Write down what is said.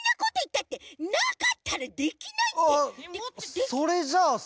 あっそれじゃあさ。